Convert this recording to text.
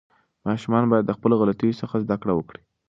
ماشومان باید د خپلو غلطیو څخه زده کړه وکړي.